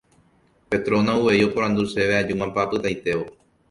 Petrona uvei oporandu chéve ajúmapa apytaitévo